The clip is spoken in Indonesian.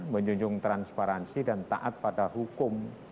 menjunjung transparansi dan taat pada hukum